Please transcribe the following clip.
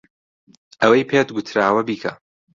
ئەوەی پێت گوتراوە بیکە.